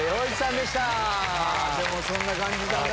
でもそんな感じだね。